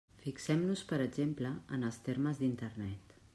Fixem-nos, per exemple, en els termes d'Internet.